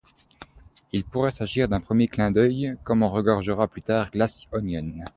Il pourrait s'agir d'un premier clin d'œil comme en regorgera plus tard Glass Onion.